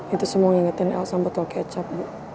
itu semua ngingetin el sama botol kecap